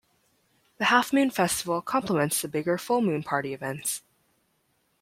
The Half Moon Festival complements the bigger Full Moon Party events.